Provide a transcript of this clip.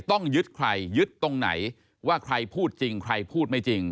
ต้องยึดใครยึดตรงไหนว่าใครพูดจริงใครพูดไม่จริง